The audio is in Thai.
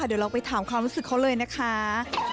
เดี๋ยวเราไปถามความรู้สึกเขาเลยนะคะ